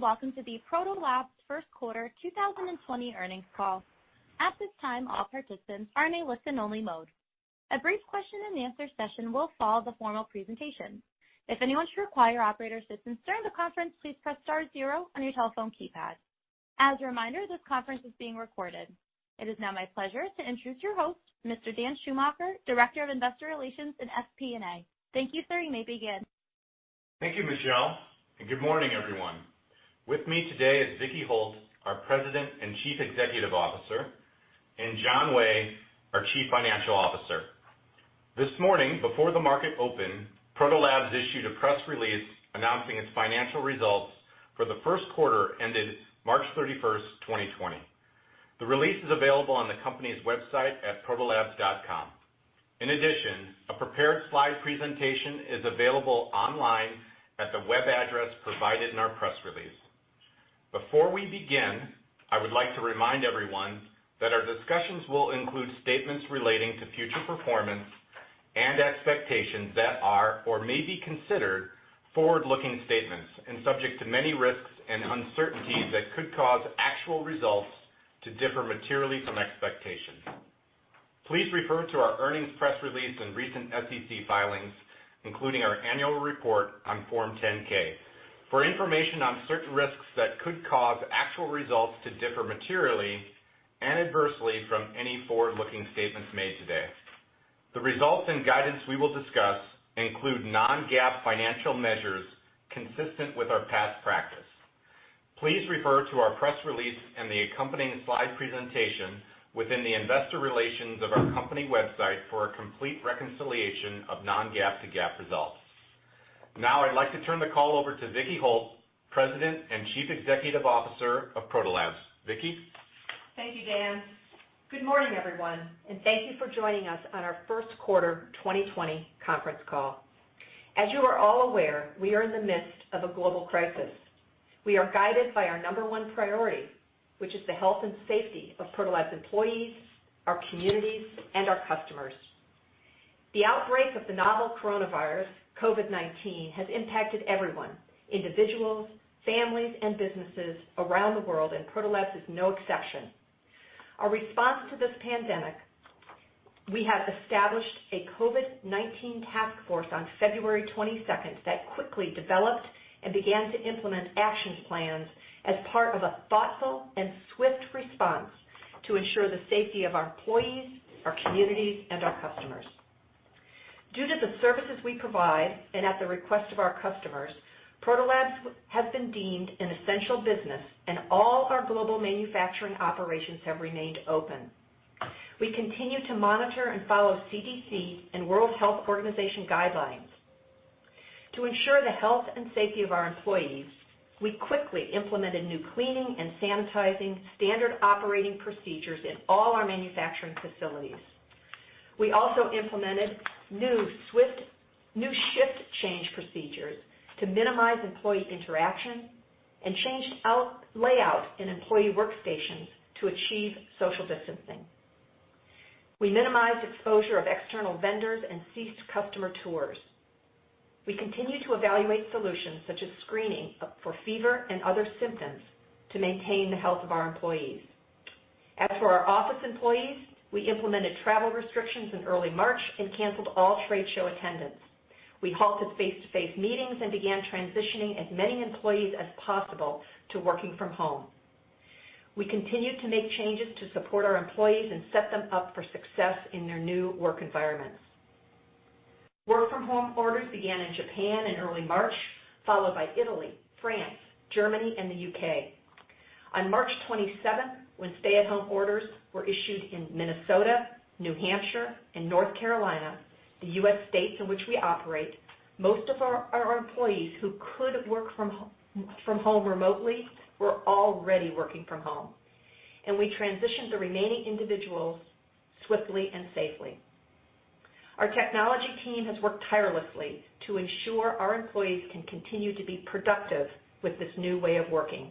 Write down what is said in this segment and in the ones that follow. Greetings, and welcome to the Proto Labs First Quarter 2020 Earnings Call. At this time, all participants are in a listen-only mode. A brief question-and-answer session will follow the formal presentation. If anyone should require operator assistance during the conference, please press star zero on your telephone keypad. As a reminder, this conference is being recorded. It is now my pleasure to introduce your host, Mr. Dan Schumacher, Director of Investor Relations in FP&A. Thank you, sir. You may begin. Thank you, Michelle. Good morning, everyone. With me today is Vicki Holt, our President and Chief Executive Officer, and John Way, our Chief Financial Officer. This morning, before the market opened, Proto Labs issued a press release announcing its financial results for the first quarter ended March 31st, 2020. The release is available on the company's website at protolabs.com. In addition, a prepared slide presentation is available online at the web address provided in our press release. Before we begin, I would like to remind everyone that our discussions will include statements relating to future performance and expectations that are or may be considered forward-looking statements and subject to many risks and uncertainties that could cause actual results to differ materially from expectations. Please refer to our earnings press release and recent SEC filings, including our annual report on Form 10-K for information on certain risks that could cause actual results to differ materially and adversely from any forward-looking statements made today. The results and guidance we will discuss include non-GAAP financial measures consistent with our past practice. Please refer to our press release and the accompanying slide presentation within the investor relations of our company website for a complete reconciliation of non-GAAP to GAAP results. I'd like to turn the call over to Vicki Holt, President and Chief Executive Officer of Proto Labs. Vicki? Thank you, Dan. Good morning, everyone, and thank you for joining us on our First Quarter 2020 Conference Call. As you are all aware, we are in the midst of a global crisis. We are guided by our number one priority, which is the health and safety of Proto Labs employees, our communities, and our customers. The outbreak of the novel coronavirus, COVID-19, has impacted everyone, individuals, families, and businesses around the world, and Proto Labs is no exception. Our response to this pandemic, we have established a COVID-19 task force on February 22nd that quickly developed and began to implement action plans as part of a thoughtful and swift response to ensure the safety of our employees, our communities, and our customers. Due to the services we provide and at the request of our customers, Proto Labs has been deemed an essential business, and all our global manufacturing operations have remained open. We continue to monitor and follow CDC and World Health Organization guidelines. To ensure the health and safety of our employees, we quickly implemented new cleaning and sanitizing standard operating procedures in all our manufacturing facilities. We also implemented new shift change procedures to minimize employee interaction and changed layout in employee workstations to achieve social distancing. We minimized exposure of external vendors and ceased customer tours. We continue to evaluate solutions such as screening for fever and other symptoms to maintain the health of our employees. As for our office employees, we implemented travel restrictions in early March and canceled all trade show attendance. We halted face-to-face meetings and began transitioning as many employees as possible to working from home. We continued to make changes to support our employees and set them up for success in their new work environments. Work-from-home orders began in Japan in early March, followed by Italy, France, Germany, and the U.K. On March 27th, when stay-at-home orders were issued in Minnesota, New Hampshire, and North Carolina, the U.S. states in which we operate, most of our employees who could work from home remotely were already working from home, and we transitioned the remaining individuals swiftly and safely. Our technology team has worked tirelessly to ensure our employees can continue to be productive with this new way of working.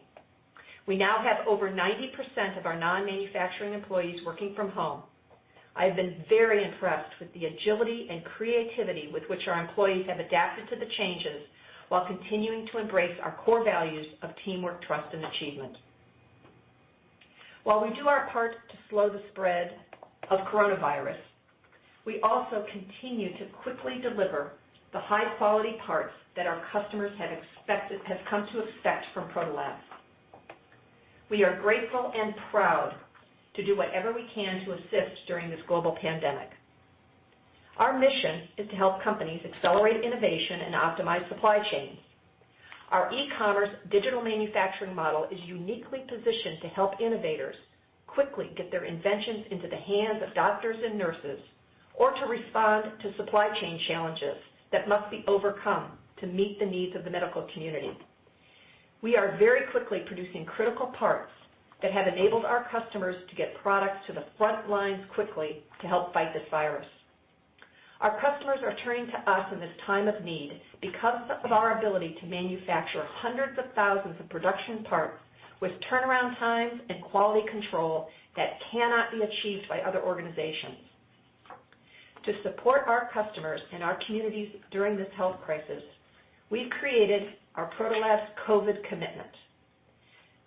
We now have over 90% of our non-manufacturing employees working from home. I have been very impressed with the agility and creativity with which our employees have adapted to the changes while continuing to embrace our core values of teamwork, trust, and achievement. While we do our part to slow the spread of coronavirus, we also continue to quickly deliver the high-quality parts that our customers have come to expect from Proto Labs. We are grateful and proud to do whatever we can to assist during this global pandemic. Our mission is to help companies accelerate innovation and optimize supply chains. Our e-commerce digital manufacturing model is uniquely positioned to help innovators quickly get their inventions into the hands of doctors and nurses, or to respond to supply chain challenges that must be overcome to meet the needs of the medical community. We are very quickly producing critical parts that have enabled our customers to get products to the front lines quickly to help fight this virus. Our customers are turning to us in this time of need because of our ability to manufacture hundreds of thousands of production parts with turnaround times and quality control that cannot be achieved by other organizations. To support our customers and our communities during this health crisis, we've created our Proto Labs COVID Commitment: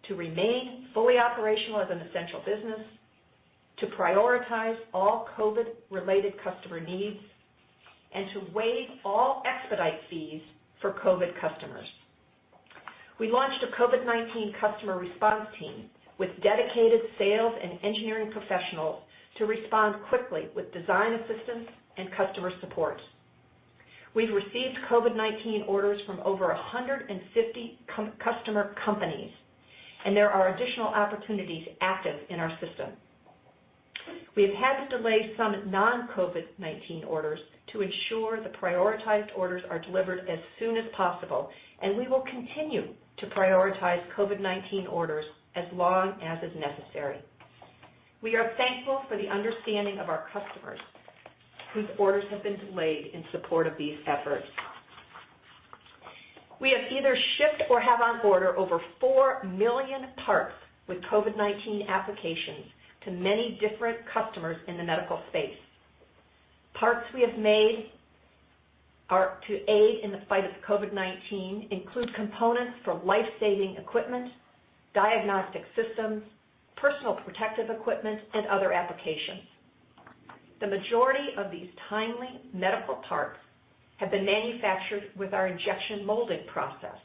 to remain fully operational as an essential business, to prioritize all COVID-related customer needs, and to waive all expedite fees for COVID customers. We launched a COVID-19 Customer Response Team with dedicated sales and engineering professionals to respond quickly with design assistance and customer support. We've received COVID-19 orders from over 150 customer companies, there are additional opportunities active in our system. We have had to delay some non-COVID-19 orders to ensure the prioritized orders are delivered as soon as possible, and we will continue to prioritize COVID-19 orders as long as is necessary. We are thankful for the understanding of our customers whose orders have been delayed in support of these efforts. We have either shipped or have on order over four million parts with COVID-19 applications to many different customers in the medical space. Parts we have made to aid in the fight of COVID-19 include components for life-saving equipment, diagnostic systems, personal protective equipment, and other applications. The majority of these timely medical parts have been manufactured with our injection molding process,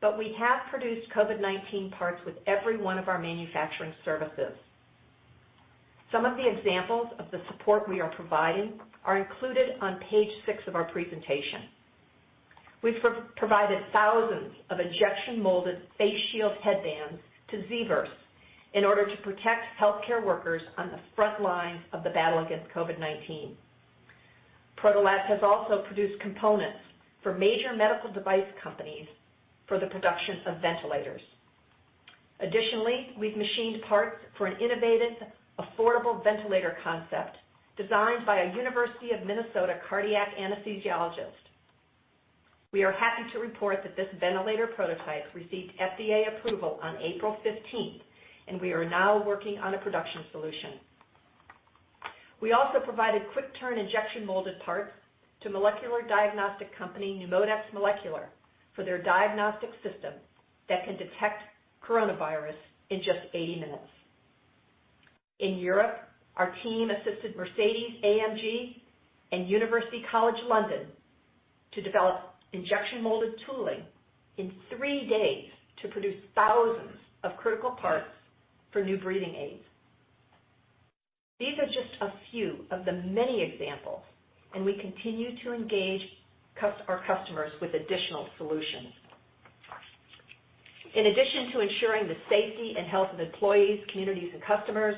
but we have produced COVID-19 parts with every one of our manufacturing services. Some of the examples of the support we are providing are included on page six of our presentation. We've provided thousands of injection-molded face shield headbands to ZVerse in order to protect healthcare workers on the front lines of the battle against COVID-19. Proto Labs has also produced components for major medical device companies for the production of ventilators. Additionally, we've machined parts for an innovative, affordable ventilator concept designed by a University of Minnesota cardiac anesthesiologist. We are happy to report that this ventilator prototype received FDA approval on April 15th, and we are now working on a production solution. We also provided quick-turn injection molded parts to molecular diagnostic company, NeuMoDx Molecular, for their diagnostic system that can detect coronavirus in just 80 minutes. In Europe, our team assisted Mercedes-AMG and University College London to develop injection molded tooling in three days to produce thousands of critical parts for new breathing aids. These are just a few of the many examples, and we continue to engage our customers with additional solutions. In addition to ensuring the safety and health of employees, communities, and customers,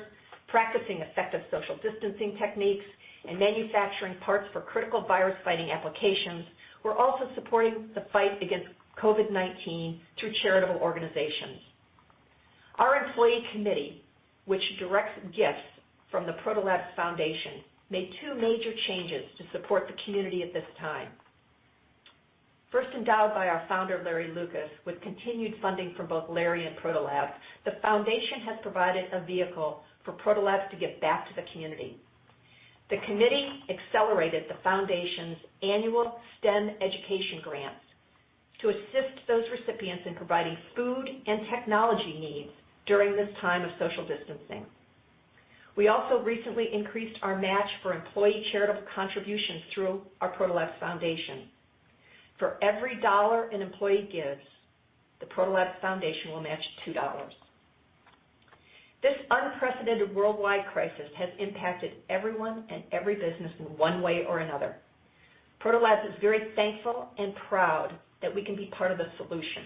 practicing effective social distancing techniques, and manufacturing parts for critical virus-fighting applications, we're also supporting the fight against COVID-19 through charitable organizations. Our employee committee, which directs gifts from the Proto Labs Foundation, made two major changes to support the community at this time. First endowed by our founder, Larry Lukis, with continued funding from both Larry and Proto Labs, the foundation has provided a vehicle for Proto Labs to give back to the community. The committee accelerated the foundation's annual STEM education grants to assist those recipients in providing food and technology needs during this time of social distancing. We also recently increased our match for employee charitable contributions through our Proto Labs Foundation. For every dollar an employee gives, the Proto Labs Foundation will match $2. This unprecedented worldwide crisis has impacted everyone and every business in one way or another. Proto Labs is very thankful and proud that we can be part of the solution.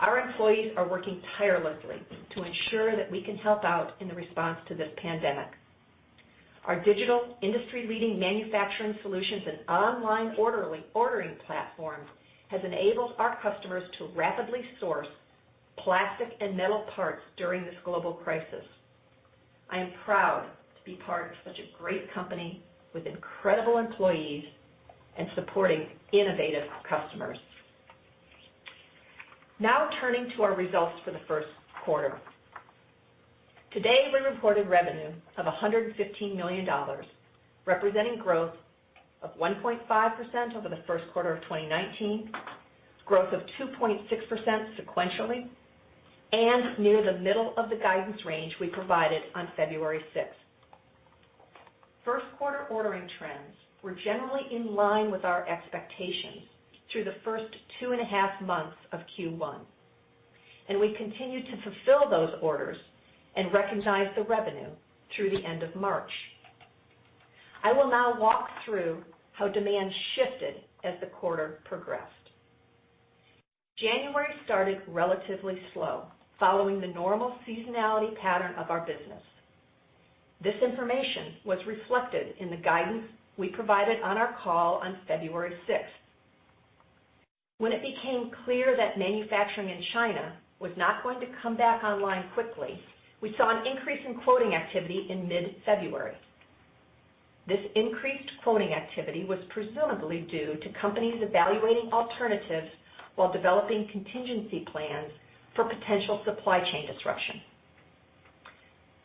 Our employees are working tirelessly to ensure that we can help out in the response to this pandemic. Our digital industry-leading manufacturing solutions and online ordering platform has enabled our customers to rapidly source plastic and metal parts during this global crisis. I am proud to be part of such a great company with incredible employees and supporting innovative customers. Now turning to our results for the first quarter. Today, we reported revenue of $115 million, representing growth of 1.5% over the first quarter of 2019, growth of 2.6% sequentially, and near the middle of the guidance range we provided on February 6th. First quarter ordering trends were generally in line with our expectations through the first two and a half months of Q1, and we continued to fulfill those orders and recognize the revenue through the end of March. I will now walk through how demand shifted as the quarter progressed. January started relatively slow, following the normal seasonality pattern of our business. This information was reflected in the guidance we provided on our call on February 6. When it became clear that manufacturing in China was not going to come back online quickly, we saw an increase in quoting activity in mid-February. This increased quoting activity was presumably due to companies evaluating alternatives while developing contingency plans for potential supply chain disruption.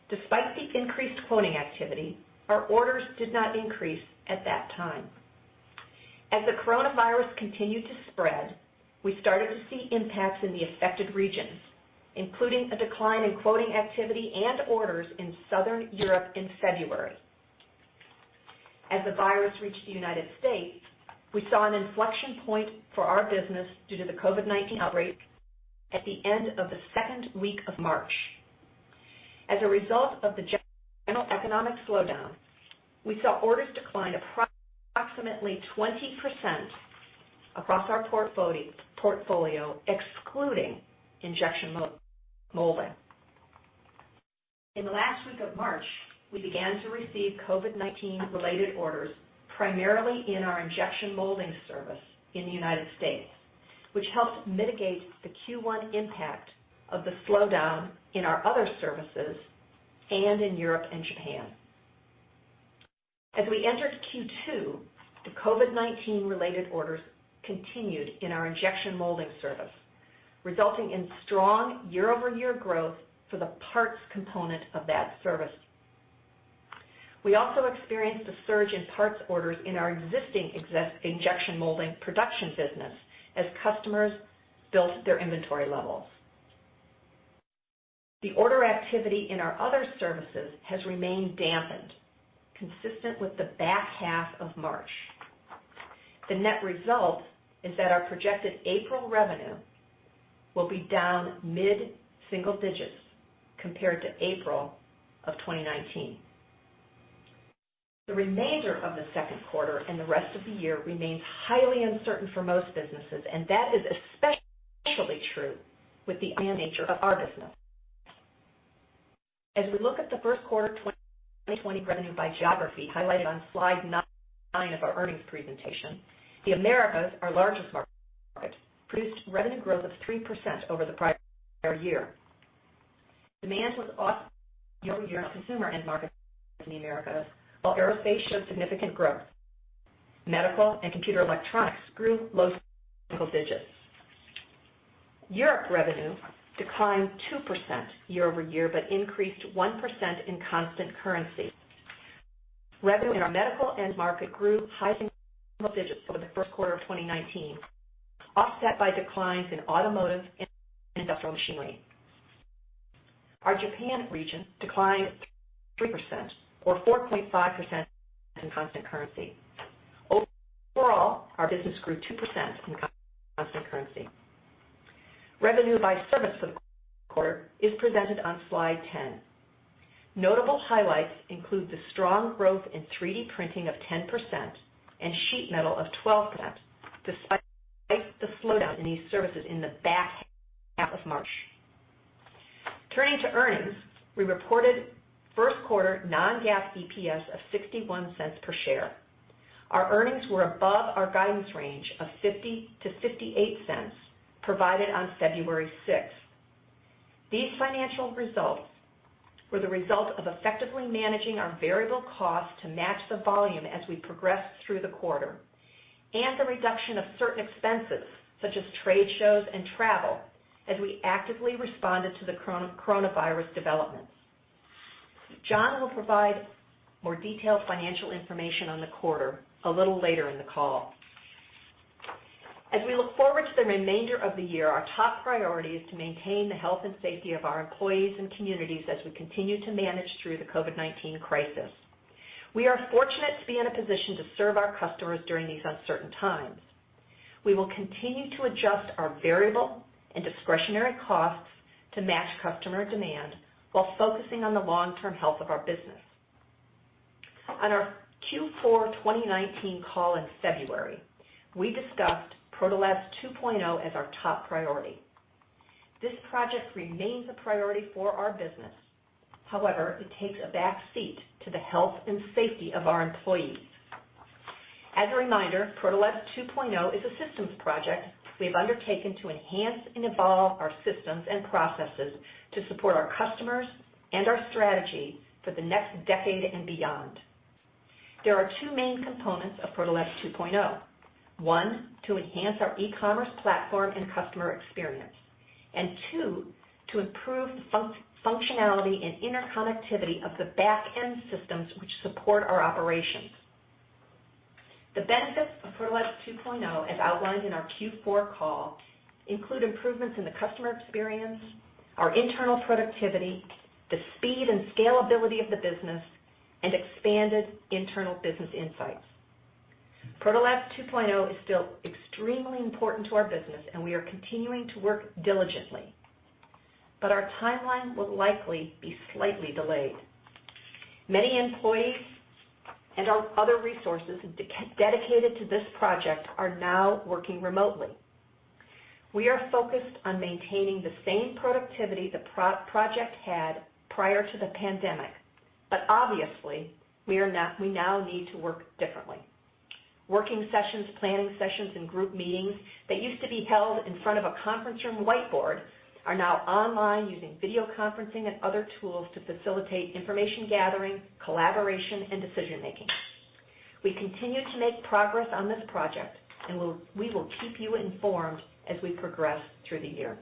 Despite the increased quoting activity, our orders did not increase at that time. As the coronavirus continued to spread, we started to see impacts in the affected regions, including a decline in quoting activity and orders in Southern Europe in February. As the virus reached the U.S., we saw an inflection point for our business due to the COVID-19 outbreak at the end of the second week of March. As a result of the general economic slowdown, we saw orders decline approximately 20% across our portfolio, excluding injection molding. In the last week of March, we began to receive COVID-19 related orders primarily in our injection molding service in the U.S., which helped mitigate the Q1 impact of the slowdown in our other services and in Europe and Japan. As we entered Q2, the COVID-19 related orders continued in our injection molding service, resulting in strong year-over-year growth for the parts component of that service. We also experienced a surge in parts orders in our existing injection molding production business as customers built their inventory levels. The order activity in our other services has remained dampened, consistent with the back half of March. The net result is that our projected April revenue will be down mid-single digits compared to April of 2019. The remainder of the second quarter and the rest of the year remains highly uncertain for most businesses, and that is especially true with the nature of our business. As we look at the first quarter 2020 revenue by geography highlighted on Slide nine of our earnings presentation, the Americas, our largest market, produced revenue growth of 3% over the prior year. Demand was up year-over-year consumer end markets in the Americas, while aerospace showed significant growth. Medical and computer electronics grew low single digits. Europe revenue declined 2% year-over-year, but increased 1% in constant currency. Revenue in our medical end market grew high single digits over the first quarter of 2019, offset by declines in automotive and industrial machinery. Our Japan region declined 3%, or 4.5% in constant currency. Overall, our business grew 2% in constant currency. Revenue by service for the quarter is presented on slide 10. Notable highlights include the strong growth in 3D printing of 10% and sheet metal of 12%, despite the slowdown in these services in the back half of March. Turning to earnings, we reported first quarter non-GAAP EPS of $0.61 per share. Our earnings were above our guidance range of $0.50-$0.58 provided on February 6th. These financial results were the result of effectively managing our variable costs to match the volume as we progressed through the quarter, and the reduction of certain expenses such as trade shows and travel as we actively responded to the coronavirus developments. John will provide more detailed financial information on the quarter a little later in the call. As we look forward to the remainder of the year, our top priority is to maintain the health and safety of our employees and communities as we continue to manage through the COVID-19 crisis. We are fortunate to be in a position to serve our customers during these uncertain times. We will continue to adjust our variable and discretionary costs to match customer demand while focusing on the long-term health of our business. On our Q4 2019 call in February, we discussed Proto Labs 2.0 as our top priority. This project remains a priority for our business. However, it takes a back seat to the health and safety of our employees. As a reminder, Proto Labs 2.0 is a systems project we have undertaken to enhance and evolve our systems and processes to support our customers and our strategy for the next decade and beyond. There are two main components of Proto Labs 2.0. One, to enhance our e-commerce platform and customer experience. Two, to improve functionality and interconnectivity of the back-end systems which support our operations. The benefits of Proto Labs 2.0, as outlined in our Q4 call, include improvements in the customer experience, our internal productivity, the speed and scalability of the business, and expanded internal business insights. Proto Labs 2.0 is still extremely important to our business, and we are continuing to work diligently. Our timeline will likely be slightly delayed. Many employees and our other resources dedicated to this project are now working remotely. We are focused on maintaining the same productivity the project had prior to the pandemic, but obviously, we now need to work differently. Working sessions, planning sessions, and group meetings that used to be held in front of a conference room whiteboard are now online using video conferencing and other tools to facilitate information gathering, collaboration, and decision-making. We continue to make progress on this project, and we will keep you informed as we progress through the year.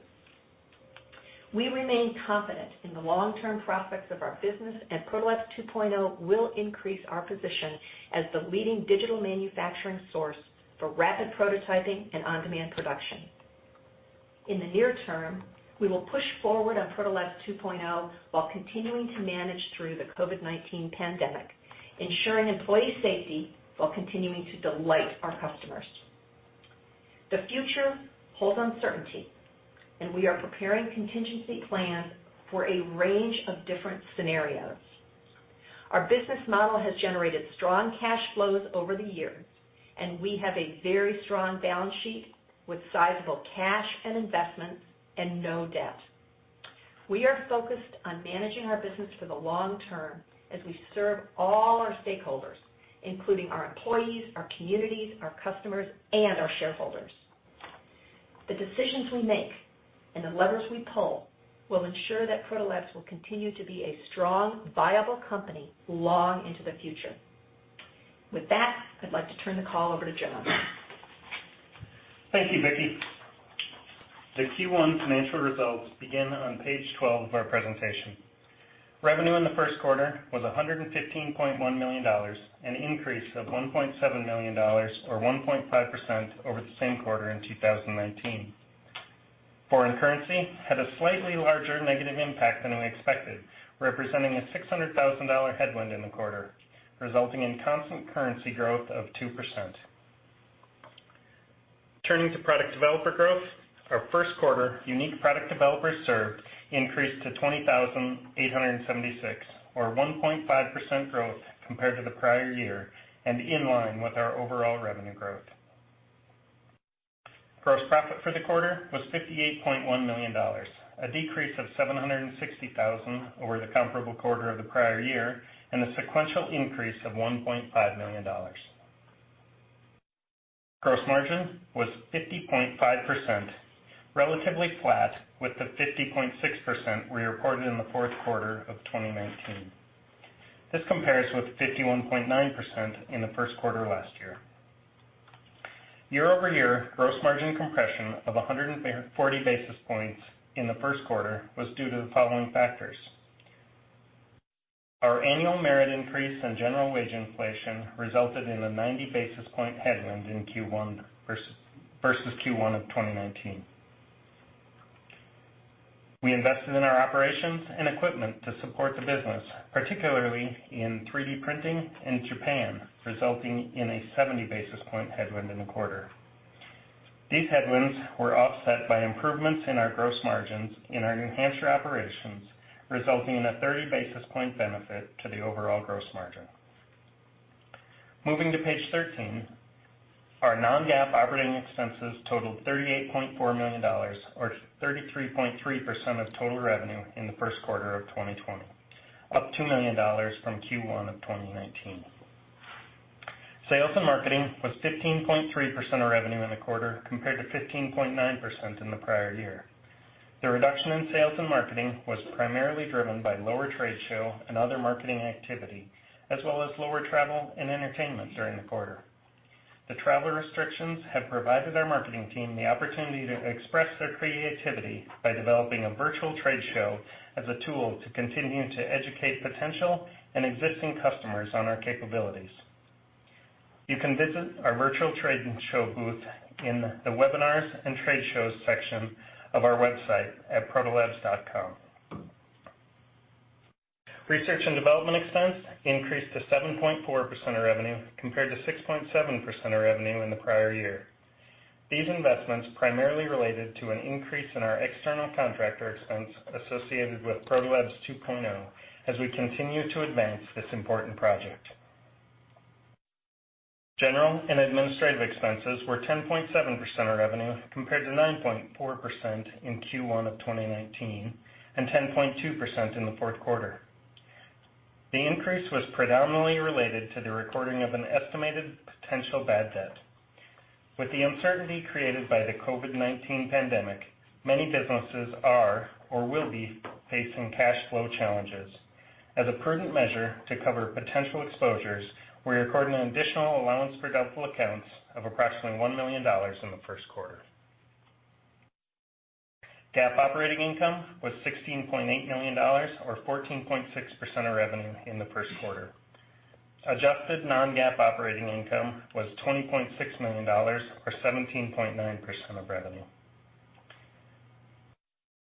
We remain confident in the long-term prospects of our business, and Proto Labs 2.0 will increase our position as the leading digital manufacturing source for rapid prototyping and on-demand production. In the near term, we will push forward on Proto Labs 2.0 while continuing to manage through the COVID-19 pandemic, ensuring employee safety while continuing to delight our customers. The future holds uncertainty, and we are preparing contingency plans for a range of different scenarios. Our business model has generated strong cash flows over the years, and we have a very strong balance sheet with sizable cash and investments and no debt. We are focused on managing our business for the long term as we serve all our stakeholders, including our employees, our communities, our customers, and our shareholders. The decisions we make and the levers we pull will ensure that Proto Labs will continue to be a strong, viable company long into the future. With that, I'd like to turn the call over to John. Thank you, Vicki. The Q1 financial results begin on Page 12 of our presentation. Revenue in the first quarter was $115.1 million, an increase of $1.7 million or 1.5% over the same quarter in 2019. Foreign currency had a slightly larger negative impact than we expected, representing a $600,000 headwind in the quarter, resulting in constant currency growth of 2%. Turning to product developer growth, our first quarter unique product developers served increased to 20,876 or 1.5% growth compared to the prior year and in line with our overall revenue growth. Gross profit for the quarter was $58.1 million, a decrease of $760,000 over the comparable quarter of the prior year, and a sequential increase of $1.5 million. Gross margin was 50.5%, relatively flat with the 50.6% we reported in the fourth quarter of 2019. This compares with 51.9% in the first quarter last year. Year-over-year gross margin compression of 140 basis points in the first quarter was due to the following factors. Our annual merit increase and general wage inflation resulted in a 90 basis point headwind in Q1 versus Q1 of 2019. We invested in our operations and equipment to support the business, particularly in 3D printing in Japan, resulting in a 70 basis point headwind in the quarter. These headwinds were offset by improvements in our gross margins in our New Hampshire operations, resulting in a 30 basis point benefit to the overall gross margin. Moving to Page 13, our non-GAAP operating expenses totaled $38.4 million or 33.3% of total revenue in the first quarter of 2020, up $2 million from Q1 of 2019. Sales and marketing was 15.3% of revenue in the quarter, compared to 15.9% in the prior year. The reduction in sales and marketing was primarily driven by lower trade show and other marketing activity, as well as lower travel and entertainment during the quarter. The travel restrictions have provided our marketing team the opportunity to express their creativity by developing a virtual trade show as a tool to continue to educate potential and existing customers on our capabilities. You can visit our virtual trade show booth in the Webinars and Trade Shows section of our website at protolabs.com. Research and development expense increased to 7.4% of revenue, compared to 6.7% of revenue in the prior year. These investments primarily related to an increase in our external contractor expense associated with Proto Labs 2.0 as we continue to advance this important project. General and administrative expenses were 10.7% of revenue, compared to 9.4% in Q1 of 2019 and 10.2% in the fourth quarter. The increase was predominantly related to the recording of an estimated potential bad debt. With the uncertainty created by the COVID-19 pandemic, many businesses are or will be facing cash flow challenges. As a prudent measure to cover potential exposures, we recorded an additional allowance for doubtful accounts of approximately $1 million in the first quarter. GAAP operating income was $16.8 million, or 14.6% of revenue in the first quarter. Adjusted non-GAAP operating income was $20.6 million or 17.9% of revenue.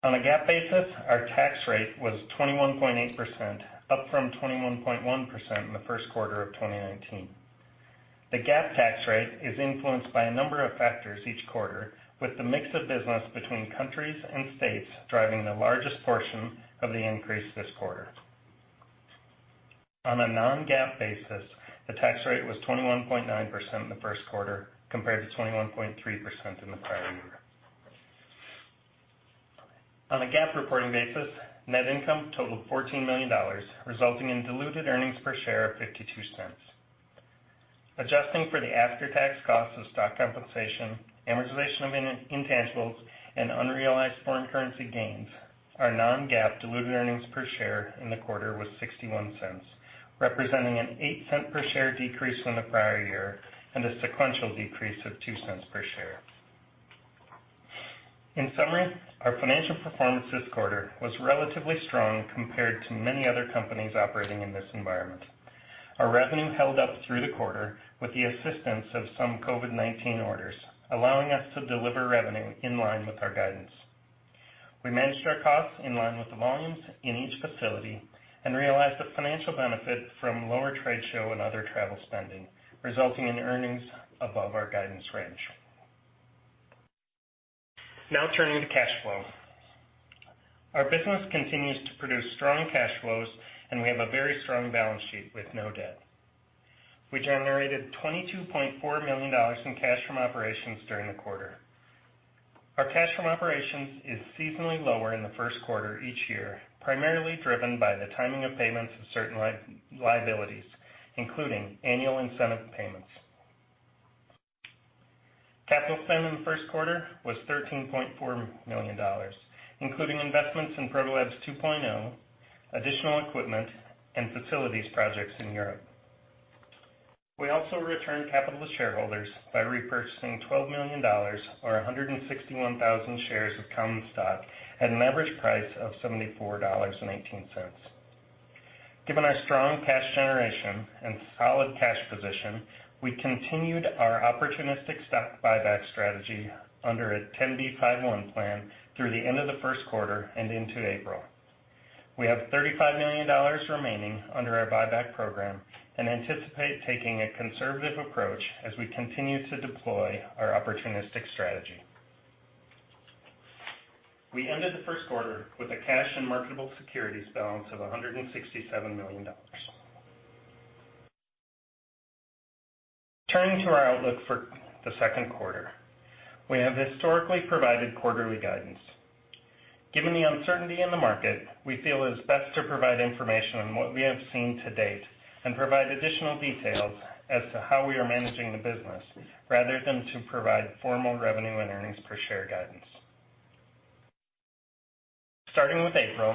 On a GAAP basis, our tax rate was 21.8%, up from 21.1% in the first quarter of 2019. The GAAP tax rate is influenced by a number of factors each quarter, with the mix of business between countries and states driving the largest portion of the increase this quarter. On a non-GAAP basis, the tax rate was 21.9% in the first quarter, compared to 21.3% in the prior year. On a GAAP reporting basis, net income totaled $14 million, resulting in diluted earnings per share of $0.52. Adjusting for the after-tax cost of stock compensation, amortization of intangibles, and unrealized foreign currency gains, our non-GAAP diluted earnings per share in the quarter was $0.61, representing an $0.08 per share decrease from the prior year and a sequential decrease of $0.02 per share. Our financial performance this quarter was relatively strong compared to many other companies operating in this environment. Our revenue held up through the quarter with the assistance of some COVID-19 orders, allowing us to deliver revenue in line with our guidance. We managed our costs in line with the volumes in each facility and realized a financial benefit from lower trade show and other travel spending, resulting in earnings above our guidance range. Turning to cash flow. Our business continues to produce strong cash flows. We have a very strong balance sheet with no debt. We generated $22.4 million in cash from operations during the quarter. Our cash from operations is seasonally lower in the first quarter each year, primarily driven by the timing of payments of certain liabilities, including annual incentive payments. Capital spend in the first quarter was $13.4 million, including investments in Proto Labs 2.0, additional equipment, and facilities projects in Europe. We also returned capital to shareholders by repurchasing $12 million, or 161,000 shares of common stock at an average price of $74.18. Given our strong cash generation and solid cash position, we continued our opportunistic stock buyback strategy under a 10b5-1 plan through the end of the first quarter and into April. We have $35 million remaining under our buyback program and anticipate taking a conservative approach as we continue to deploy our opportunistic strategy. We ended the first quarter with a cash and marketable securities balance of $167 million. Turning to our outlook for the second quarter. We have historically provided quarterly guidance. Given the uncertainty in the market, we feel it is best to provide information on what we have seen to date and provide additional details as to how we are managing the business, rather than to provide formal revenue and earnings per share guidance. Starting with April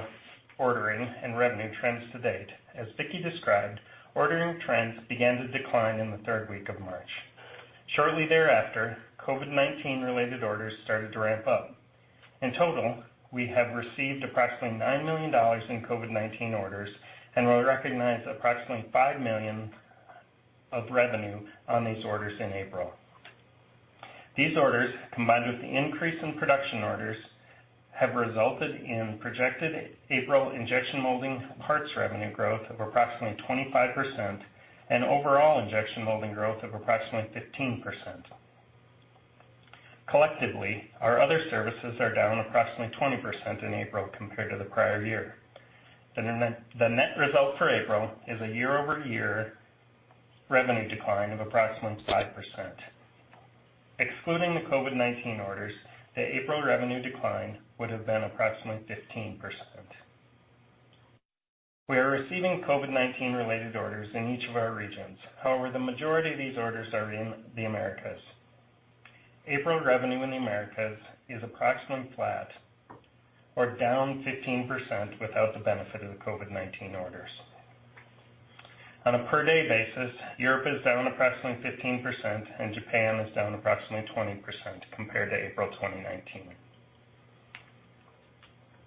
ordering and revenue trends to date. As Vicki described, ordering trends began to decline in the third week of March. Shortly thereafter, COVID-19 related orders started to ramp up. In total, we have received $9 million in COVID-19 orders and will recognize $5 million of revenue on these orders in April. These orders, combined with the increase in production orders, have resulted in projected April injection molding parts revenue growth of 25% and overall injection molding growth of 15%. Collectively, our other services are down 20% in April compared to the prior year. The net result for April is a year-over-year revenue decline of 5%. Excluding the COVID-19 orders, the April revenue decline would have been 15%. We are receiving COVID-19 related orders in each of our regions. The majority of these orders are in the Americas. April revenue in the Americas is approximately flat or down 15% without the benefit of the COVID-19 orders. On a per day basis, Europe is down approximately 15% and Japan is down approximately 20% compared to April 2019.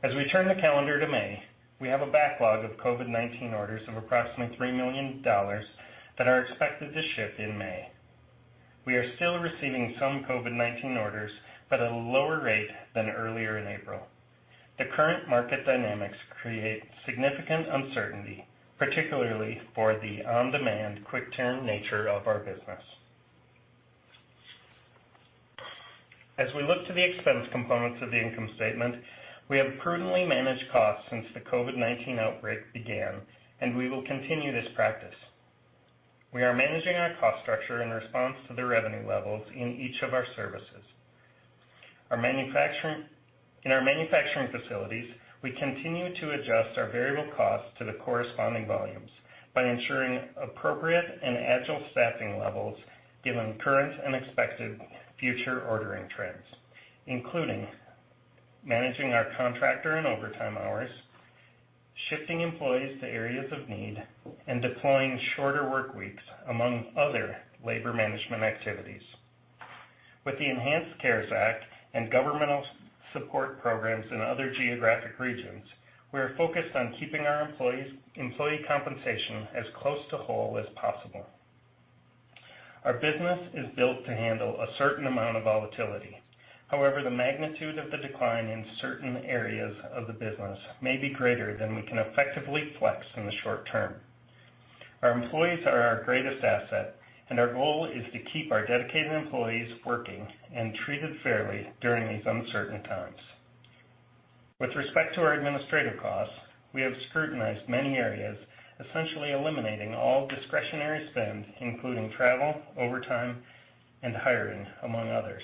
As we turn the calendar to May, we have a backlog of COVID-19 orders of approximately $3 million that are expected to ship in May. We are still receiving some COVID-19 orders, but at a lower rate than earlier in April. The current market dynamics create significant uncertainty, particularly for the on-demand, quick turn nature of our business. As we look to the expense components of the income statement, we have prudently managed costs since the COVID-19 outbreak began, and we will continue this practice. We are managing our cost structure in response to the revenue levels in each of our services. In our manufacturing facilities, we continue to adjust our variable costs to the corresponding volumes by ensuring appropriate and agile staffing levels given current and expected future ordering trends, including managing our contractor and overtime hours, shifting employees to areas of need, and deploying shorter workweeks, among other labor management activities. With the enhanced CARES Act and governmental support programs in other geographic regions, we are focused on keeping our employee compensation as close to whole as possible. Our business is built to handle a certain amount of volatility. However, the magnitude of the decline in certain areas of the business may be greater than we can effectively flex in the short term. Our employees are our greatest asset, and our goal is to keep our dedicated employees working and treated fairly during these uncertain times. With respect to our administrative costs, we have scrutinized many areas, essentially eliminating all discretionary spend, including travel, overtime, and hiring, among others,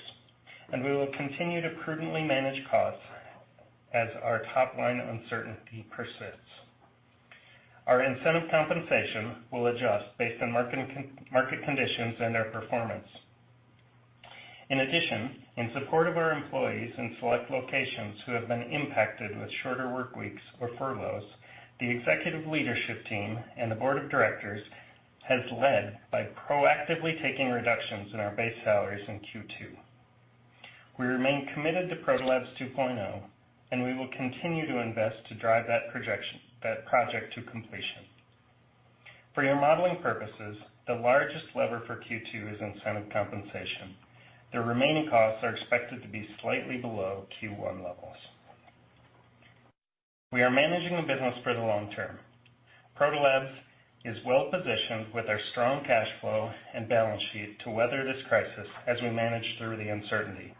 and we will continue to prudently manage costs as our top-line uncertainty persists. Our incentive compensation will adjust based on market conditions and our performance. In addition, in support of our employees in select locations who have been impacted with shorter workweeks or furloughs, the executive leadership team and the board of directors have led by proactively taking reductions in our base salaries in Q2. We remain committed to Proto Labs 2.0, and we will continue to invest to drive that project to completion. For your modeling purposes, the largest lever for Q2 is incentive compensation. The remaining costs are expected to be slightly below Q1 levels. We are managing the business for the long term. Proto Labs is well-positioned with our strong cash flow and balance sheet to weather this crisis as we manage through the uncertainty.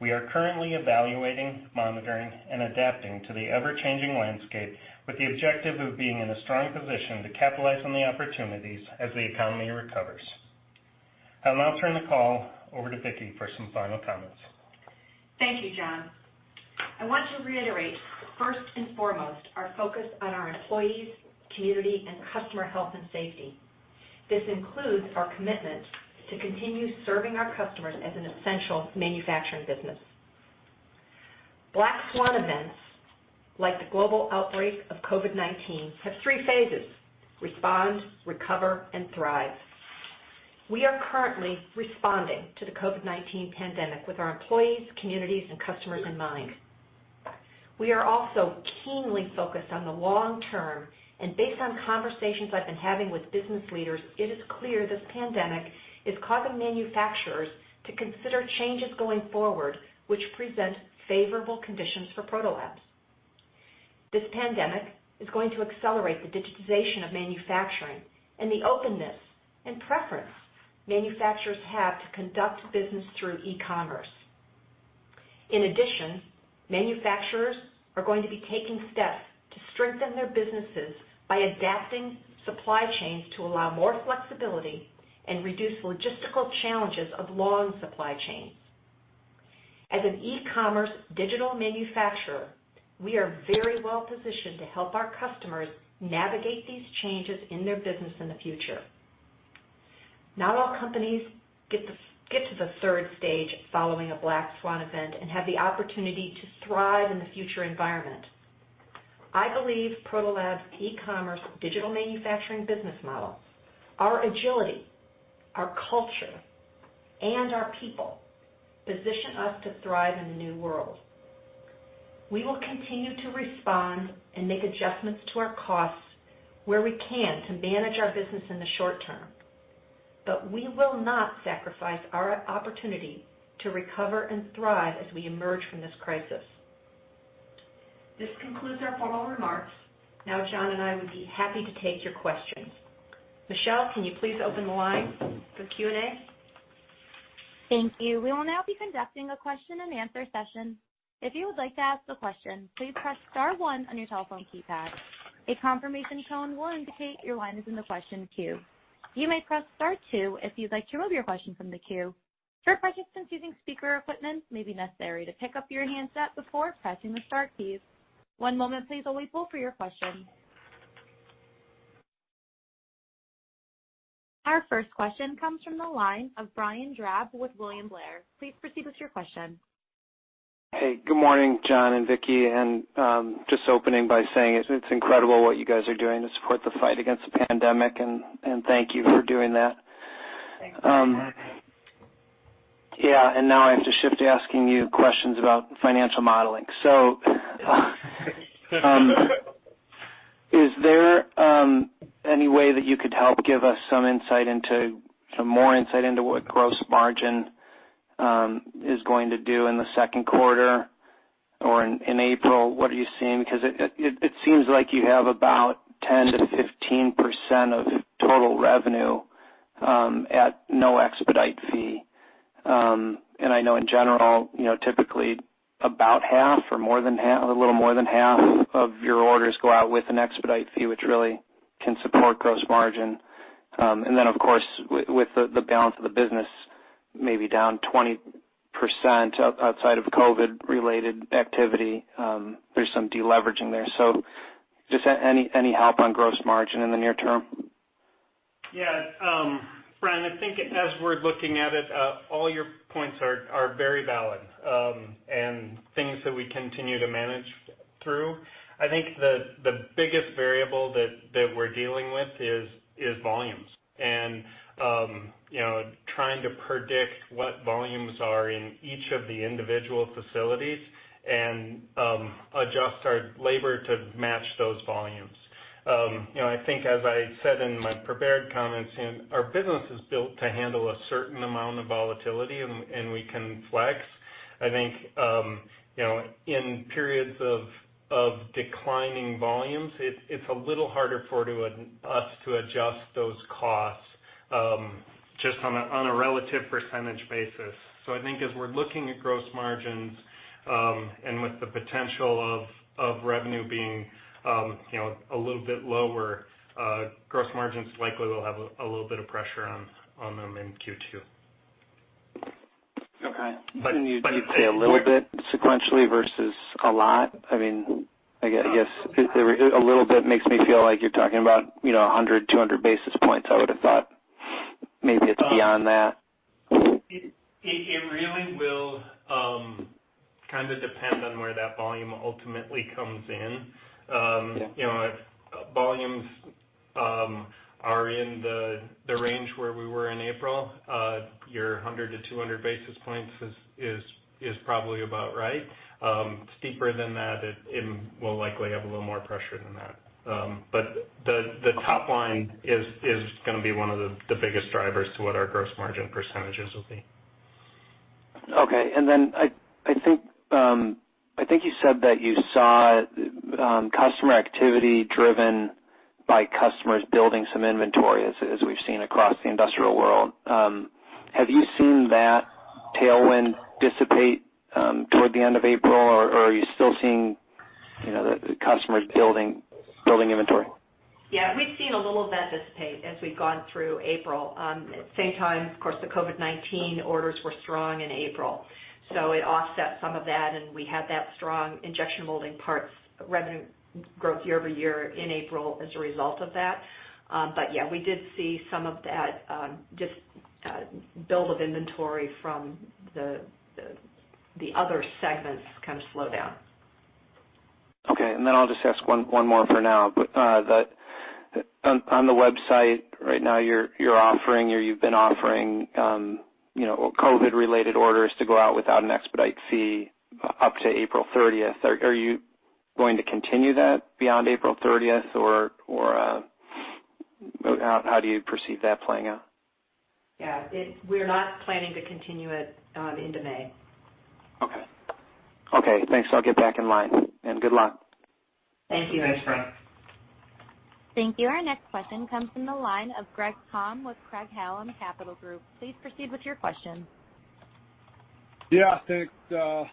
We are currently evaluating, monitoring, and adapting to the ever-changing landscape with the objective of being in a strong position to capitalize on the opportunities as the economy recovers. I'll now turn the call over to Vicki for some final comments. Thank you, John. I want to reiterate, first and foremost, our focus on our employees, community, and customer health and safety. This includes our commitment to continue serving our customers as an essential manufacturing business. Black swan events, like the global outbreak of COVID-19, have three phases: respond, recover, and thrive. We are currently responding to the COVID-19 pandemic with our employees, communities, and customers in mind. We are also keenly focused on the long term, and based on conversations I've been having with business leaders, it is clear this pandemic is causing manufacturers to consider changes going forward which present favorable conditions for Proto Labs. This pandemic is going to accelerate the digitization of manufacturing and the openness and preference manufacturers have to conduct business through e-commerce. In addition, manufacturers are going to be taking steps to strengthen their businesses by adapting supply chains to allow more flexibility and reduce logistical challenges of long supply chains. As an e-commerce digital manufacturer, we are very well-positioned to help our customers navigate these changes in their business in the future. Not all companies get to the third stage following a black swan event and have the opportunity to thrive in the future environment. I believe Proto Labs' e-commerce digital manufacturing business model, our agility, our culture, and our people position us to thrive in the new world. We will continue to respond and make adjustments to our costs where we can to manage our business in the short term, but we will not sacrifice our opportunity to recover and thrive as we emerge from this crisis. This concludes our formal remarks. John and I would be happy to take your questions. Michelle, can you please open the line for Q&A? Thank you. We will now be conducting a question and answer session. If you would like to ask a question, please press star one on your telephone keypad. A confirmation tone will indicate your line is in the question queue. You may press star two if you'd like to remove your question from the queue. For participants using speaker equipment, it may be necessary to pick up your handset before pressing the star key. One moment please, while we pull for your question. Our first question comes from the line of Brian Drab with William Blair. Please proceed with your question. Hey, good morning, John and Vicki. Just opening by saying it's incredible what you guys are doing to support the fight against the pandemic, and thank you for doing that. Thanks. You're welcome. Yeah. Now I have to shift to asking you questions about financial modeling. Is there any way that you could help give us some more insight into what gross margin is going to do in Q2 or in April? What are you seeing? Because it seems like you have about 10%-15% of total revenue at no expedite fee. I know in general, typically about half or a little more than half of your orders go out with an expedite fee, which really can support gross margin. Then of course, with the balance of the business maybe down 20% outside of COVID-related activity, there's some de-leveraging there. Just any help on gross margin in the near term? Yeah. Brian, I think as we're looking at it, all your points are very valid, and things that we continue to manage through. I think the biggest variable that we're dealing with is volumes and trying to predict what volumes are in each of the individual facilities and adjust our labor to match those volumes. I think as I said in my prepared comments, our business is built to handle a certain amount of volatility and we can flex. I think in periods of declining volumes, it's a little harder for us to adjust those costs, just on a relative percentage basis. I think as we're looking at gross margins, and with the potential of revenue being a little bit lower, gross margins likely will have a little bit of pressure on them in Q2. Okay. But- Would you say a little bit sequentially versus a lot? I guess a little bit makes me feel like you're talking about 100, 200 basis points. I would've thought maybe it's beyond that. It really will kind of depend on where that volume ultimately comes in. Yeah. If volumes are in the range where we were in April, your 100-200 basis points is probably about right. Steeper than that, it will likely have a little more pressure than that. The top line is going to be one of the biggest drivers to what our gross margin percentages will be. Okay. I think you said that you saw customer activity driven by customers building some inventory, as we've seen across the industrial world. Have you seen that tailwind dissipate toward the end of April, or are you still seeing the customers building inventory? Yeah, we've seen a little of that dissipate as we've gone through April. At the same time, of course, the COVID-19 orders were strong in April, so it offset some of that, and we had that strong injection molding parts revenue growth year-over-year in April as a result of that. Yeah, we did see some of that just build of inventory from the other segments kind of slow down. I'll just ask one more for now. On the website right now, you're offering or you've been offering COVID-related orders to go out without an expedite fee up to April 30th. Are you going to continue that beyond April 30th, or how do you perceive that playing out? Yeah, we're not planning to continue it into May. Okay. Thanks. I'll get back in line, and good luck. Thank you. Thanks, [Brian] Thank you. Our next question comes from the line of Greg Palm with Craig-Hallum Capital Group. Please proceed with your question. Yeah, thanks.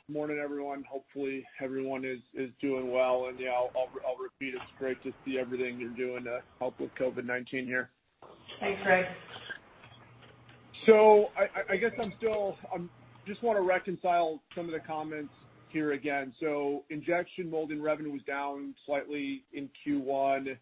Morning, everyone. Hopefully, everyone is doing well. Yeah, I'll repeat, it's great to see everything you're doing to help with COVID-19 here. Thanks, Greg. I guess I just want to reconcile some of the comments here again. Injection molding revenue was down slightly in Q1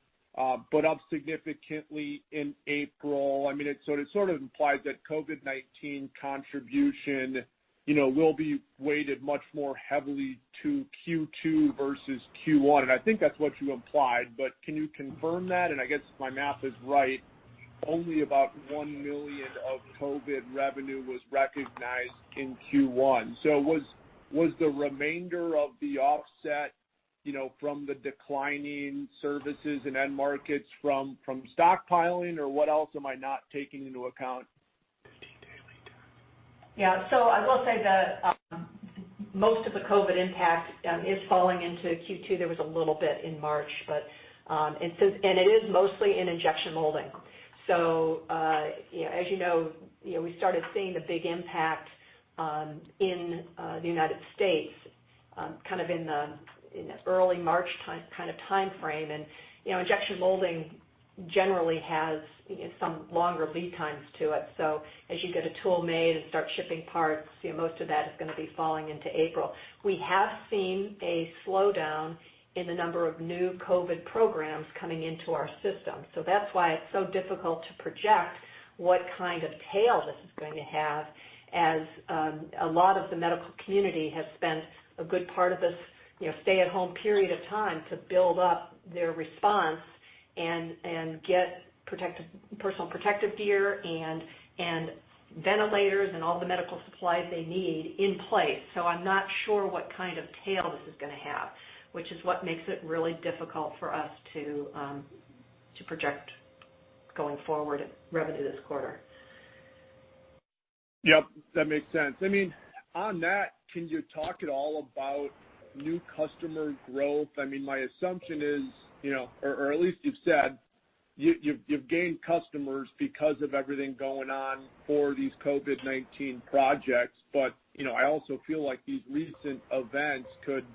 but up significantly in April. I mean, it sort of implies that COVID-19 contribution will be weighted much more heavily to Q2 versus Q1, and I think that's what you implied, but can you confirm that? I guess if my math is right, only about $1 million of COVID revenue was recognized in Q1. Was the remainder of the offset from the declining services and end markets from stockpiling, or what else am I not taking into account? Yeah. I will say that most of the COVID impact is falling into Q2. There was a little bit in March, and it is mostly in injection molding. As you know, we started seeing the big impact in the United States kind of in the early March kind of timeframe, and injection molding generally has some longer lead times to it. As you get a tool made and start shipping parts, most of that is going to be falling into April. We have seen a slowdown in the number of new COVID programs coming into our system. That's why it's so difficult to project what kind of tail this is going to have, as a lot of the medical community has spent a good part of this stay-at-home period of time to build up their response and get personal protective gear and ventilators and all the medical supplies they need in place. I'm not sure what kind of tail this is going to have, which is what makes it really difficult for us to project going forward revenue this quarter. Yep, that makes sense. I mean, on that, can you talk at all about new customer growth? I mean, my assumption is, or at least you've said, you've gained customers because of everything going on for these COVID-19 projects. I also feel like these recent events could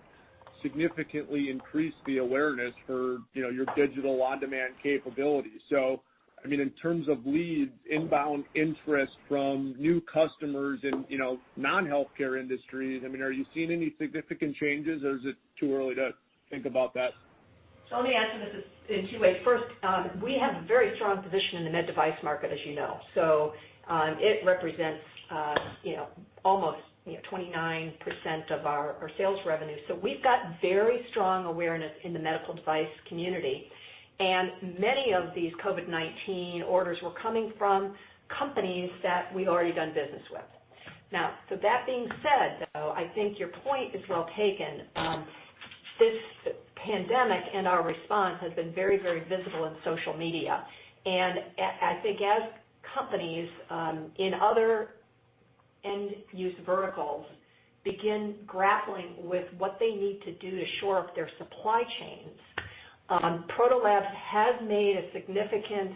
significantly increase the awareness for your digital on-demand capabilities. I mean, in terms of leads, inbound interest from new customers in non-healthcare industries, are you seeing any significant changes, or is it too early to think about that? Let me answer this in two ways. First, we have a very strong position in the med device market, as you know. It represents almost 29% of our sales revenue. We've got very strong awareness in the medical device community, and many of these COVID-19 orders were coming from companies that we'd already done business with. That being said, though, I think your point is well taken. This pandemic and our response has been very visible on social media, and I think as companies in other end-use verticals begin grappling with what they need to do to shore up their supply chains, Proto Labs has made a significant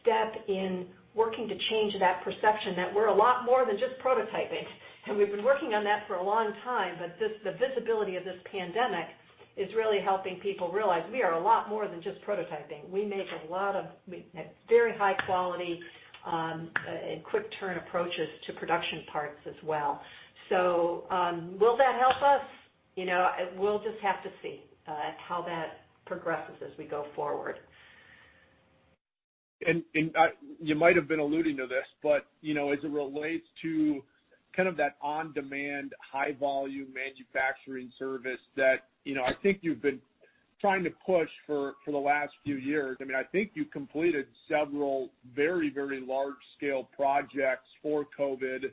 step in working to change that perception that we're a lot more than just prototyping, and we've been working on that for a long time. The visibility of this pandemic is really helping people realize we are a lot more than just prototyping. We make very high quality and quick turn approaches to production parts as well. Will that help us? We'll just have to see how that progresses as we go forward. You might have been alluding to this, but as it relates to that on-demand, high-volume manufacturing service that I think you've been trying to push for the last few years. I think you've completed several very large-scale projects for COVID.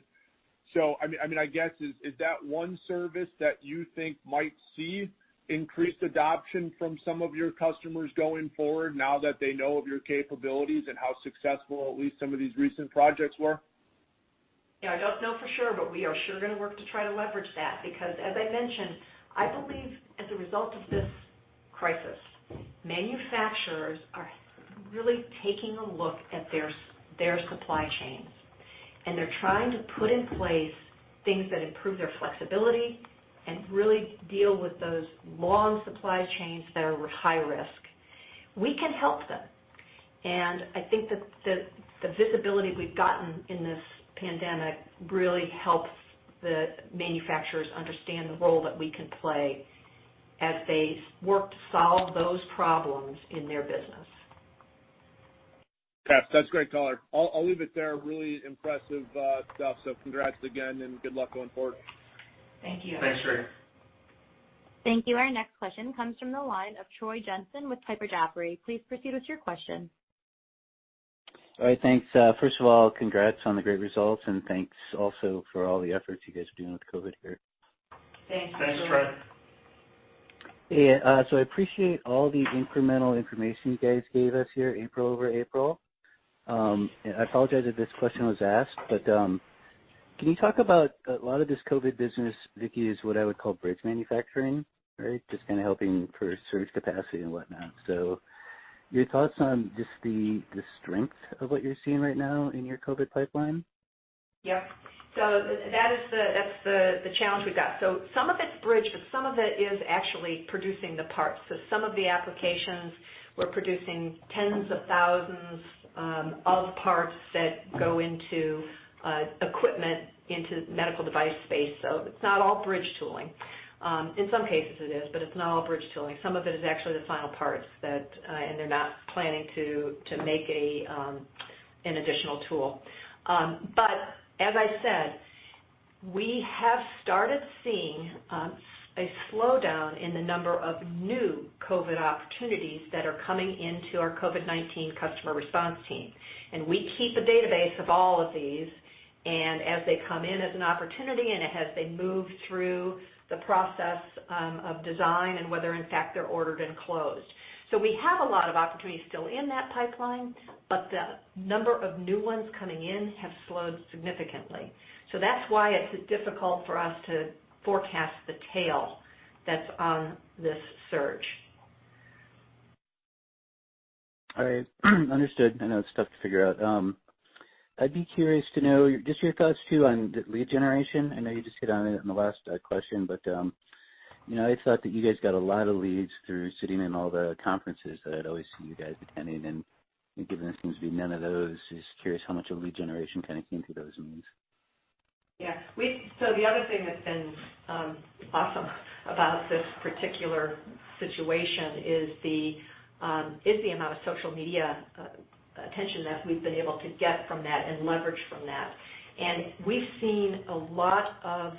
I guess, is that one service that you think might see increased adoption from some of your customers going forward now that they know of your capabilities and how successful at least some of these recent projects were? Yeah, I don't know for sure. We are sure going to work to try to leverage that. As I mentioned, I believe as a result of this crisis, manufacturers are really taking a look at their supply chains. They're trying to put in place things that improve their flexibility and really deal with those long supply chains that are high risk. We can help them. I think that the visibility we've gotten in this pandemic really helps the manufacturers understand the role that we can play as they work to solve those problems in their business. Yes, that's great color. I'll leave it there. Really impressive stuff. Congrats again and good luck going forward. Thank you. Thanks, Greg. Thank you. Our next question comes from the line of Troy Jensen with Piper Jaffray. Please proceed with your question. All right. Thanks. First of all, congrats on the great results, and thanks also for all the efforts you guys are doing with COVID here. Thanks, Troy. Thanks, Troy. Yeah. I appreciate all the incremental information you guys gave us here, April-over-April. I apologize if this question was asked, but can you talk about a lot of this COVID business, Vicki, is what I would call bridge manufacturing, right? Helping for surge capacity and whatnot. Your thoughts on the strength of what you're seeing right now in your COVID pipeline? Yeah. That's the challenge we've got. Some of it's bridge, but some of it is actually producing the parts. Some of the applications, we're producing tens of thousands of parts that go into equipment into medical device space. It's not all bridge tooling. In some cases it is, but it's not all bridge tooling. Some of it is actually the final parts, and they're not planning to make an additional tool. As I said, we have started seeing a slowdown in the number of new COVID opportunities that are coming into our COVID-19 customer response team. We keep a database of all of these, and as they come in as an opportunity and as they move through the process of design and whether in fact they're ordered and closed. We have a lot of opportunities still in that pipeline, but the number of new ones coming in have slowed significantly. That's why it's difficult for us to forecast the tail that's on this surge. All right. Understood. I know it's tough to figure out. I'd be curious to know just your thoughts too on lead generation. I know you just hit on it in the last question, but I thought that you guys got a lot of leads through sitting in all the conferences that I'd always see you guys attending. Given there seems to be none of those, just curious how much of lead generation kind of came through those means. Yeah. The other thing that's been awesome about this particular situation is the amount of social media attention that we've been able to get from that and leverage from that. We've seen a lot of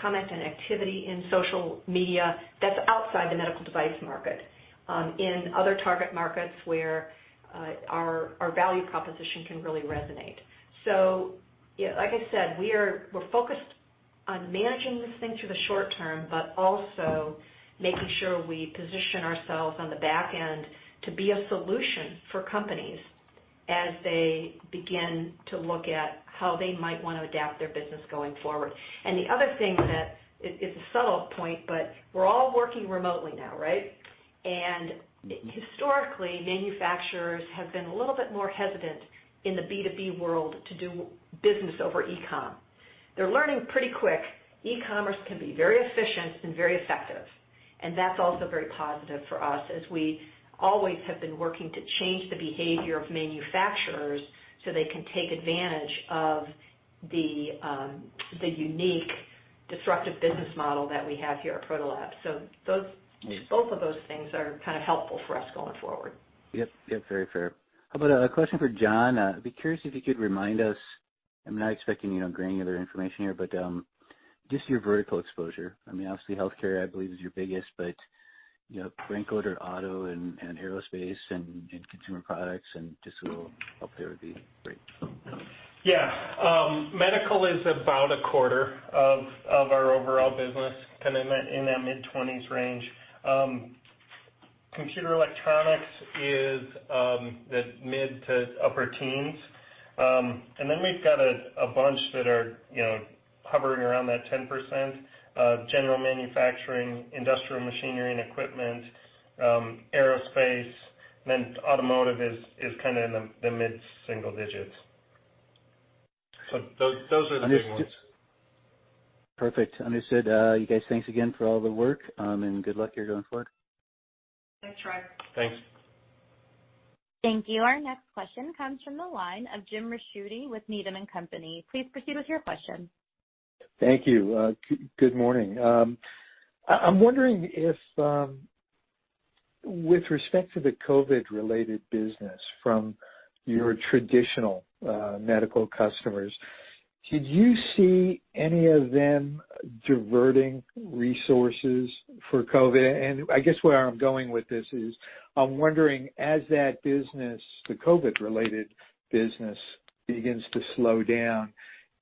comment and activity in social media that's outside the medical device market, in other target markets where our value proposition can really resonate. Like I said, we're focused on managing this thing through the short term, but also making sure we position ourselves on the back end to be a solution for companies as they begin to look at how they might want to adapt their business going forward. The other thing that is a subtle point, but we're all working remotely now, right? Historically, manufacturers have been a little bit more hesitant in the B2B world to do business over e-com. They're learning pretty quick, e-commerce can be very efficient and very effective, and that's also very positive for us as we always have been working to change the behavior of manufacturers so they can take advantage of the unique disruptive business model that we have here at Proto Labs. Both of those things are kind of helpful for us going forward. Yep. Very fair. How about a question for John? I'd be curious if you could remind us, I'm not expecting granular information here, but just your vertical exposure. Obviously healthcare, I believe, is your biggest, but [print code] or auto and aerospace and consumer products and just a little update would be great. Yeah. Medical is about a quarter of our overall business, kind of in that mid-20s range. Computer electronics is the mid to upper teens. We've got a bunch that are hovering around that 10%, general manufacturing, industrial machinery and equipment, aerospace, and automotive is kind of in the mid-single digits. Those are the big ones. Understood. Perfect. Understood. You guys, thanks again for all the work, and good luck here going forward. Thanks, Troy. Thanks. Thank you. Our next question comes from the line of Jim Ricchiuti with Needham & Company. Please proceed with your question. Thank you. Good morning. I'm wondering if with respect to the COVID-related business from your traditional medical customers, did you see any of them diverting resources for COVID? I guess where I'm going with this is, I'm wondering, as that business, the COVID-related business, begins to slow down,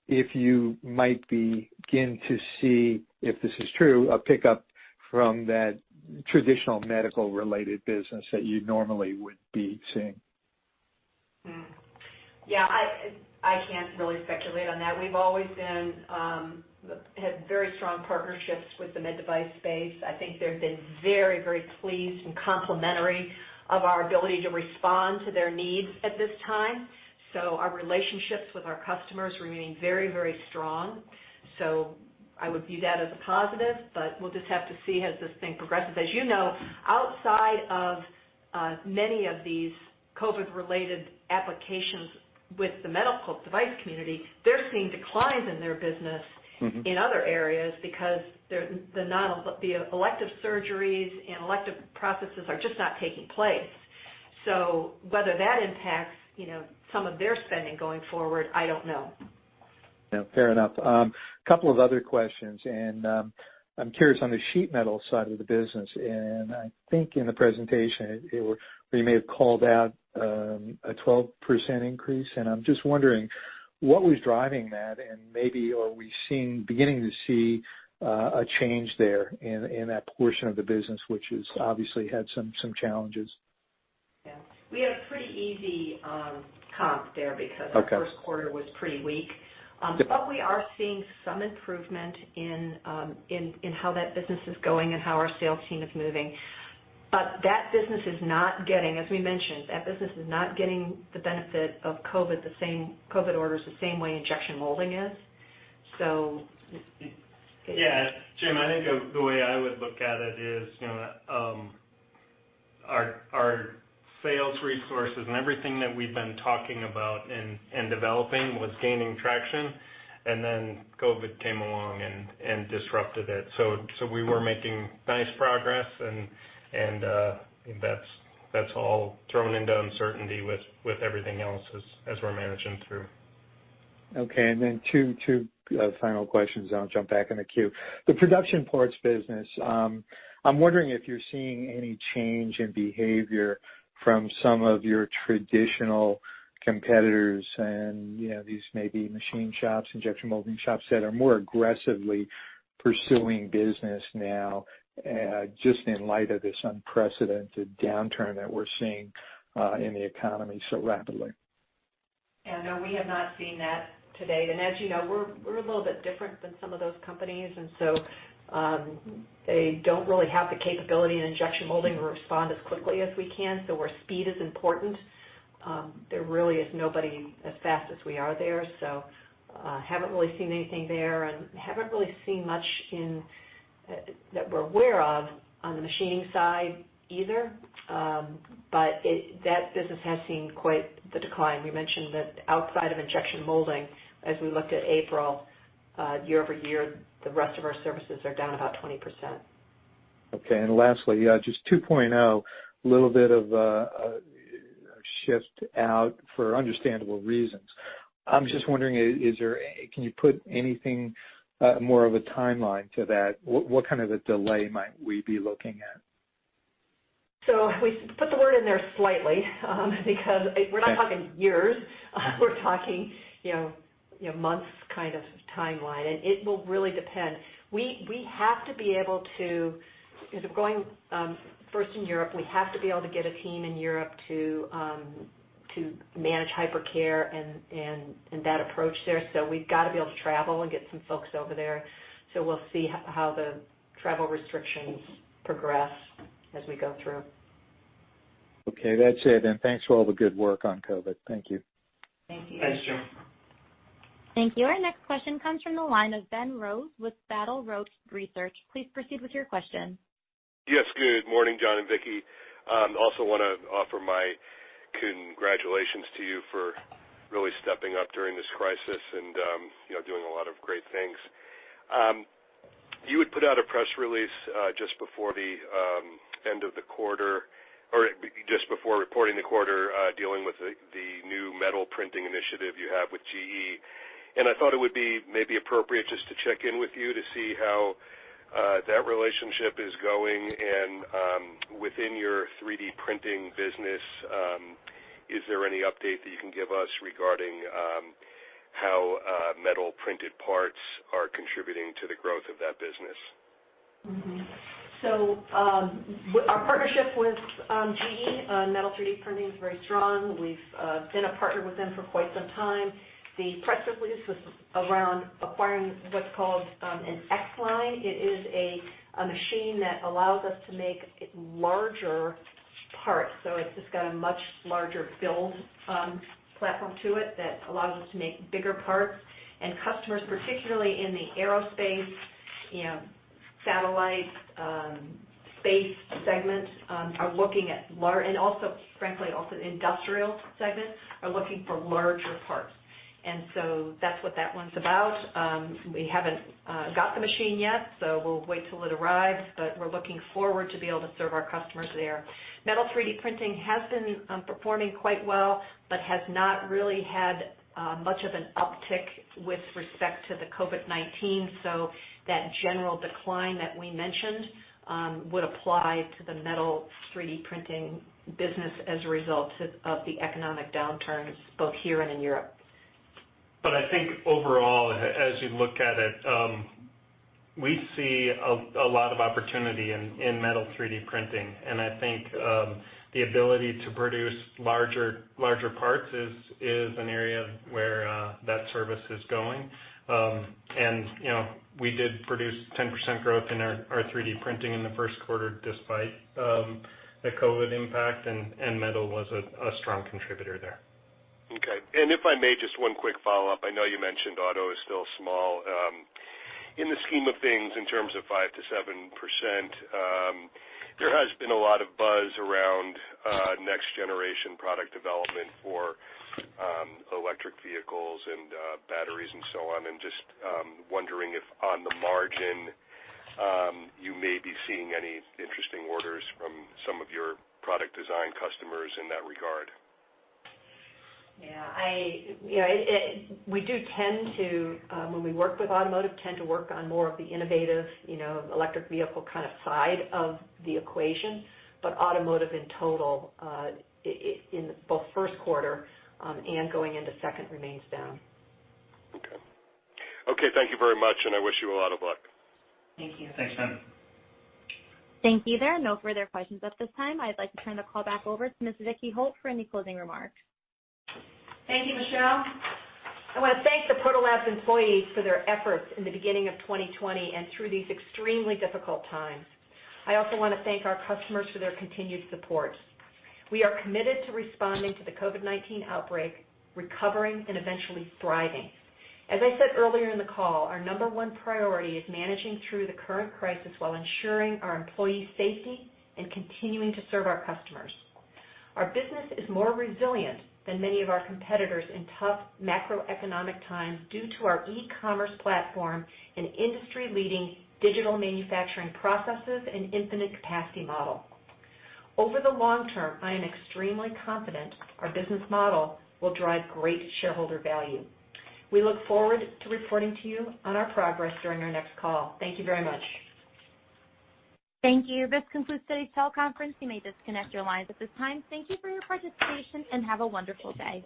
if you might begin to see, if this is true, a pickup from that traditional medical-related business that you normally would be seeing. I can't really speculate on that. We've always had very strong partnerships with the med device space. I think they've been very pleased and complimentary of our ability to respond to their needs at this time. Our relationships with our customers remain very strong. I would view that as a positive, but we'll just have to see as this thing progresses. As you know, outside of many of these COVID-related applications with the medical device community, they're seeing declines in their business in other areas, because the elective surgeries and elective processes are just not taking place. Whether that impacts some of their spending going forward, I don't know. No, fair enough. Couple of other questions, and I'm curious on the sheet metal side of the business, and I think in the presentation, you may have called out a 12% increase, and I'm just wondering what was driving that and maybe are we beginning to see a change there in that portion of the business, which has obviously had some challenges? Yeah. We had a pretty easy comp there because our first quarter was pretty weak. We are seeing some improvement in how that business is going and how our sales team is moving. That business is not getting, as we mentioned, that business is not getting the benefit of COVID orders the same way injection molding is. Yeah. Jim, I think the way I would look at it is, our sales resources and everything that we've been talking about and developing was gaining traction. COVID came along and disrupted it. We were making nice progress and that's all thrown into uncertainty with everything else as we're managing through. Okay, then two final questions, then I'll jump back in the queue. The production parts business, I'm wondering if you're seeing any change in behavior from some of your traditional competitors and these maybe machine shops, injection molding shops, that are more aggressively pursuing business now, just in light of this unprecedented downturn that we're seeing in the economy so rapidly. No, we have not seen that to date. As you know, we're a little bit different than some of those companies. They don't really have the capability in injection molding to respond as quickly as we can. Where speed is important, there really is nobody as fast as we are there. Haven't really seen anything there, and haven't really seen much that we're aware of on the machining side either. That business has seen quite the decline. We mentioned that outside of injection molding, as we looked at April year-over-year, the rest of our services are down about 20%. Okay, lastly, just 2.0, little bit of a shift out for understandable reasons. I'm just wondering, can you put anything more of a timeline to that? What kind of a delay might we be looking at? We put the word in there slightly, because we're not talking years. We're talking months kind of timeline, and it will really depend. If we're going first in Europe, we have to be able to get a team in Europe to manage hypercare and that approach there. We've got to be able to travel and get some folks over there. We'll see how the travel restrictions progress as we go through. Okay, that's it then. Thanks for all the good work on COVID. Thank you. Thank you. Thanks, Jim. Thank you. Our next question comes from the line of Ben Rose with Battle Road Research. Please proceed with your question. Yes, good morning, John and Vicki. Also want to offer my congratulations to you for really stepping up during this crisis and doing a lot of great things. You had put out a press release just before the end of the quarter or just before reporting the quarter, dealing with the new metal printing initiative you have with GE, and I thought it would be maybe appropriate just to check in with you to see how that relationship is going. Within your 3D printing business, is there any update that you can give us regarding how metal-printed parts are contributing to the growth of that business? Our partnership with GE on metal 3D printing is very strong. We've been a partner with them for quite some time. The press release was around acquiring what's called an X Line. It is a machine that allows us to make larger parts. It's just got a much larger build platform to it that allows us to make bigger parts. Customers, particularly in the aero-satellite space segments are looking at large, and also frankly, industrial segments are looking for larger parts. That's what that one's about. We haven't got the machine yet, so we'll wait till it arrives, but we're looking forward to be able to serve our customers there. Metal 3D printing has been performing quite well, but has not really had much of an uptick with respect to the COVID-19. That general decline that we mentioned would apply to the metal 3D printing business as a result of the economic downturns both here and in Europe. I think overall, as you look at it, we see a lot of opportunity in metal 3D printing. I think the ability to produce larger parts is an area where that service is going. We did produce 10% growth in our 3D printing in the first quarter, despite the COVID impact, and metal was a strong contributor there. Okay. If I may, just one quick follow-up. I know you mentioned auto is still small. In the scheme of things, in terms of 5%-7%, there has been a lot of buzz around next generation product development for electric vehicles and batteries and so on. Just wondering if, on the margin, you may be seeing any interesting orders from some of your product design customers in that regard. Yeah. When we work with automotive, we tend to work on more of the innovative, electric vehicle side of the equation. Automotive in total, in both first quarter and going into second, remains down. Okay. Thank you very much, and I wish you a lot of luck. Thank you. Thanks, Ben. Thank you there. No further questions at this time. I'd like to turn the call back over to Ms. Vicki Holt for any closing remarks. Thank you, Michelle. I want to thank the Proto Labs employees for their efforts in the beginning of 2020 and through these extremely difficult times. I also want to thank our customers for their continued support. We are committed to responding to the COVID-19 outbreak, recovering, and eventually thriving. As I said earlier in the call, our number one priority is managing through the current crisis while ensuring our employees' safety and continuing to serve our customers. Our business is more resilient than many of our competitors in tough macroeconomic times due to our e-commerce platform and industry-leading digital manufacturing processes and infinite capacity model. Over the long term, I am extremely confident our business model will drive great shareholder value. We look forward to reporting to you on our progress during our next call. Thank you very much. Thank you. This concludes today's teleconference. You may disconnect your lines at this time. Thank you for your participation, and have a wonderful day.